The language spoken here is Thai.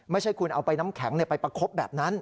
ไม่ใช่คุณเอาไปน้ำแข็งไปประคบแบบนั้น